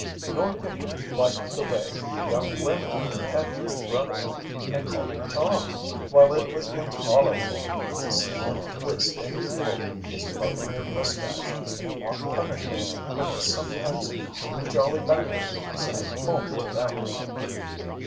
Nor could he like the way the young women petted his brother, and called him Tom, while it was intolerable to see them twist and pull his buccaneer moustache in mock punishment when his sometimes too jolly banter sank home to them.